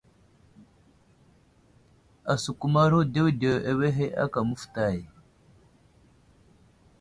Asəkumaro ɗeɗew awehe aka məfətay.